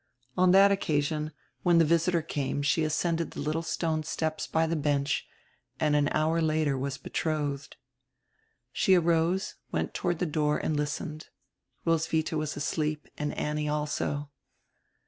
On that occasion, when the visitor came she ascended the little stone steps by the bench and an hour later was betrothed. She arose, went toward the door, and listened. Roswitha was asleep and Annie also.